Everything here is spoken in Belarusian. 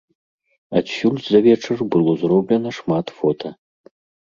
Адсюль за вечар было зроблена шмат фота.